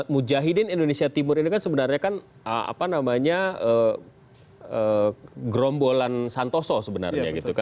mujahidin indonesia timur ini kan sebenarnya kan apa namanya gerombolan santoso sebenarnya gitu kan